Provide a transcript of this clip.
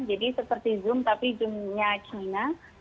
jadi seperti zoom tapi zoomnya china